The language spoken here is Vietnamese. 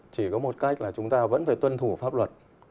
chỉ có một cách là chúng ta vẫn phải tuân thủ pháp luật